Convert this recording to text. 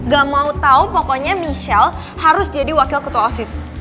gak mau tau pokoknya michelle harus jadi wakil ketua osis